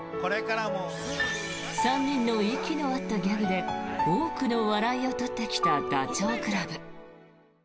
３人の息の合ったギャグで多くの笑いを取ってきたダチョウ倶楽部。